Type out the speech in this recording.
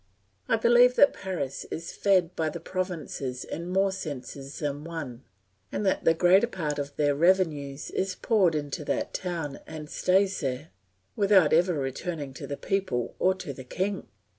I believe that Paris is fed by the provinces in more senses than one, and that the greater part of their revenues is poured into that town and stays there, without ever returning to the people or to the king.